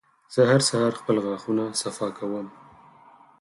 زه هر سهار خپل غاښونه صفا کوم.